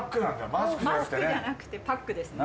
マスクじゃなくてパックですね。